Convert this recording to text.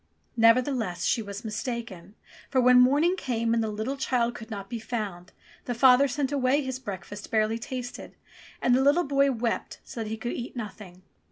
Neverthe less, she was mistaken, for when morning came and the little child could not be found, the father sent away his breakfast barely tasted, and the little boy wept so that he could eat nothing.